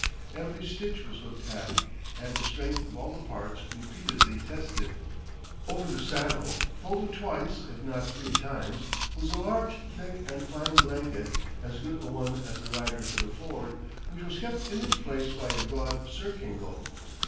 Every stitch was looked at, and the strength of all the parts repeatedly tested. Over the saddle folded twice, if not three times was a large, thick, and fine blanket, as good a one as the rider could afford, which was kept in its place by a broad surcingle.